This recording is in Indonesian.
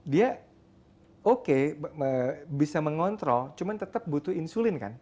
dia oke bisa mengontrol cuman tetap butuh insulin kan